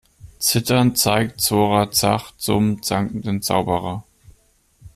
Zitternd zeigt Zora Zach zum zankenden Zauberer.